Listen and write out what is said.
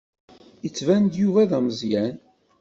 Yettban-d Yuba d ameẓẓyan.